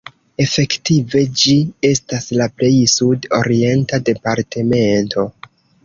Efektive ĝi estas la plej sud-orienta departemento.